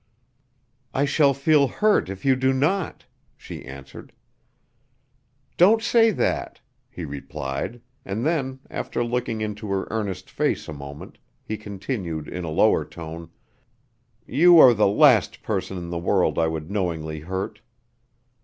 "I shall feel hurt if you do not," she answered. "Don't say that!" he replied; and then, after looking into her earnest face a moment he continued in a lower tone: "You are the last person in the world I would knowingly hurt."